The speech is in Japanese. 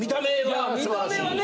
いや見た目はね。